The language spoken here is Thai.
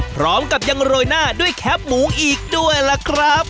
พร้อมกับยังโรยหน้าด้วยแคปหมูอีกด้วยล่ะครับ